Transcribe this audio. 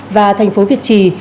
và thành phố việt trì